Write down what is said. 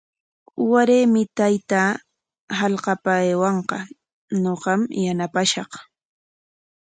Waraymi taytaa hallqapa aywanqa, ñuqam yanaqashaq.